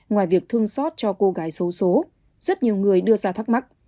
ngoài việc thương xót cho cô gái xấu xố rất nhiều người đưa ra thắc mắc